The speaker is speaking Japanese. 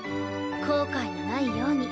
後悔のないように。